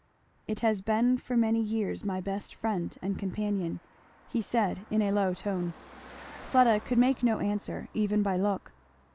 "It has been for many years my best friend and companion," he said in a low tone. Fleda could make no answer, even by look.